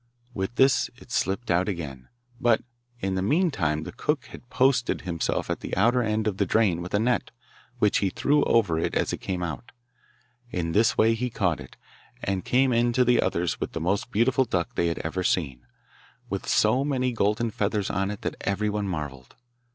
With this it slipped out again, but in the meantime the cook had posted himself at the outer end of the drain with a net, which he threw over it as it came out. In this way he caught it, and came in to the others with the most beautiful duck they had ever seen with so many golden feathers on it that everyone marvelled.